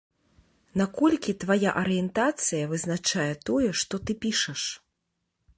Наколькі твая арыентацыя вызначае тое, што ты пішаш?